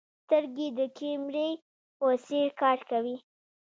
سترګې د کیمرې په څېر کار کوي.